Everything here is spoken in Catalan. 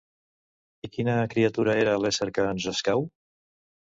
I quina criatura era l'ésser que ens escau?